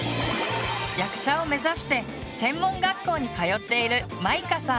役者を目指して専門学校に通っているまいかさん。